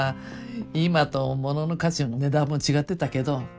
今と物の価値も値段も違ってたけど。